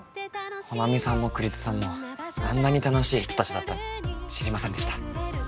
穂波さんも栗津さんもあんなに楽しい人たちだったなんて知りませんでした。